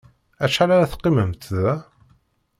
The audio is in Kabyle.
Acḥal ara teqqimemt da?